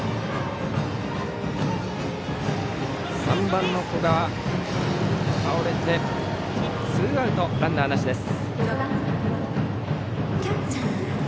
３番の古賀は倒れてツーアウトランナーなしです。